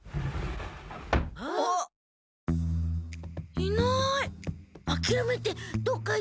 いない。